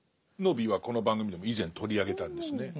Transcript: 「野火」はこの番組でも以前取り上げたんですね。